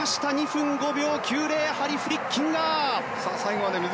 ２分５秒９０ハリ・フリッキンガー。